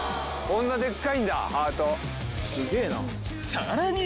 ［さらに］